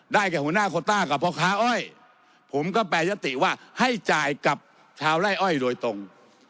กับหัวหน้าโคต้ากับพ่อค้าอ้อยผมก็แปรยติว่าให้จ่ายกับชาวไล่อ้อยโดยตรง